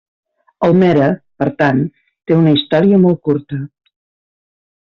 Almere, per tant, té una història molt curta.